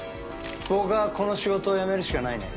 僕はこの仕事を辞めるしかないね。